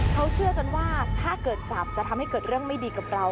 เขาเชื่อกันว่าถ้าเกิดจับจะทำให้เกิดเรื่องไม่ดีกับเรา